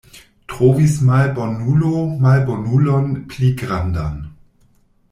Trovis malbonulo malbonulon pli grandan.